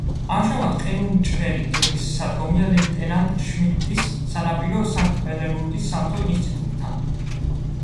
ამჟამად ყინულმჭრელი გემის სადგომია ლეიტენანტ შმიდტის სანაპირო სანქტ-პეტერბურგის სამთო ინსტიტუტთან.